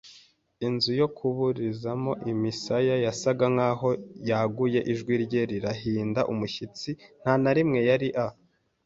inzu yo kuburizamo; imisaya yasaga nkaho yaguye, ijwi rye rirahinda umushyitsi; nta na rimwe yari a